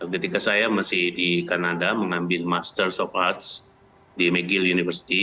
ketika saya masih di kanada mengambil master of arts di mcgill university